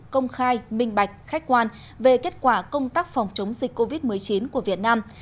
công khai minh bạch khách quan về kết quả công tác phòng chống dịch covid một mươi chín của việt nam